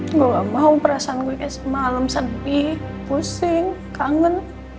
aku gak mau perasaan aku semalam seperti sedih pusing kangen